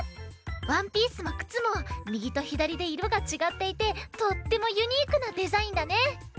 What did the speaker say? ワンピースもくつもみぎとひだりでいろがちがっていてとってもユニークなデザインだね。